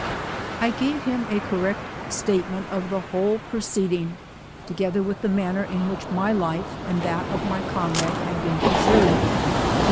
I gave him a correct statement of the whole pro ceeding, together with the manner in which my life 192 aaJthatof my coiiirade had beea preserved.